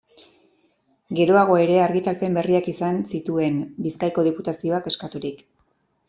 Geroago ere argitalpen berriak izan zituen, Bizkaiko Diputazioak eskaturik.